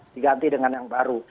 diganti dengan yang baru